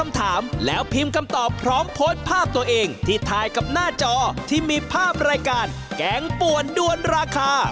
ถามแล้วพิมพ์คำตอบพร้อมโพสต์ภาพตัวเองที่ถ่ายกับหน้าจอที่มีภาพรายการแกงป่วนด้วนราคา